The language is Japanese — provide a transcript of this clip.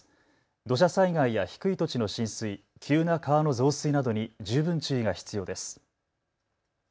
土砂災害や低い土地の浸水、急な川の増水などに十分注意が必要です。